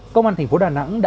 công an tp đà nẵng đã